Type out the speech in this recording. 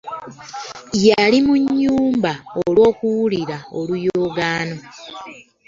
Yali mu nnyumba olw'okuwulira oluyogaano.